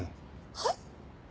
はい？